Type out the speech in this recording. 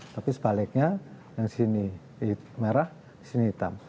tapi sebaliknya yang sini merah di sini hitam